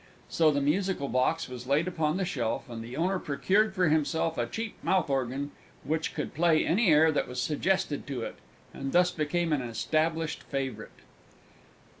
So the Musical Box was laid upon the shelf, and the Owner procured for himself a cheap mouth organ which could play any air that was suggested to it, and thus became an established favourite.